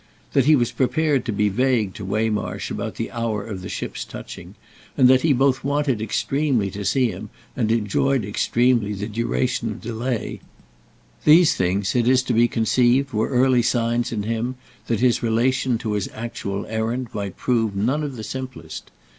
That he was prepared to be vague to Waymarsh about the hour of the ship's touching, and that he both wanted extremely to see him and enjoyed extremely the duration of delay—these things, it is to be conceived, were early signs in him that his relation to his actual errand might prove none of the simplest.